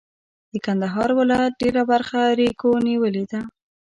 د کندهار ولایت ډېره برخه ریګو نیولې ده.